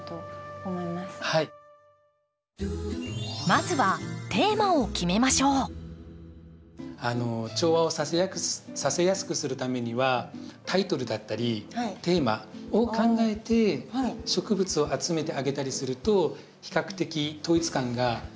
まずは調和をさせやすくするためにはタイトルだったりテーマを考えて植物を集めてあげたりすると比較的統一感が出やすくなったりします。